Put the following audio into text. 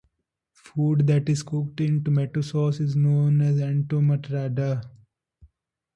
Food that is cooked in tomato sauce is known as entomatada.